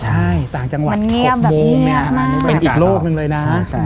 ใช่ต่างจังหวัด๖โมงเนี่ยเป็นอีกโลกหนึ่งเลยนะ